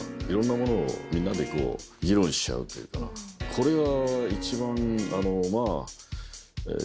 これが。